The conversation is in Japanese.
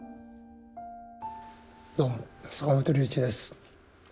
どうも、坂本龍一です。